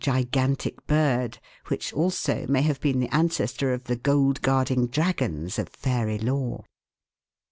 gigantic bird, which also may have been the ancestor of the gold guarding dragons of fairy lore.